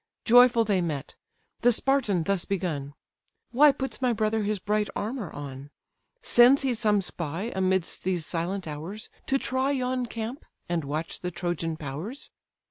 Joyful they met; the Spartan thus begun: "Why puts my brother his bright armour on? Sends he some spy, amidst these silent hours, To try yon camp, and watch the Trojan powers?